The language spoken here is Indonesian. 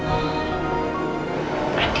mama gak akan maafin dia